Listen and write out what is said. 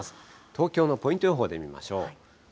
東京のポイント予報で見ましょう。